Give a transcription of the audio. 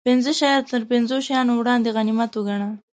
پنځه شیان تر پنځو شیانو وړاندې غنیمت و ګڼه